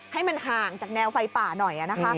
ให้มันห่างจากแนวไฟป่าหน่อยนะคะ